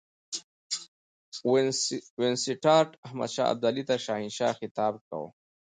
وینسیټارټ احمدشاه ابدالي ته شهنشاه خطاب کاوه.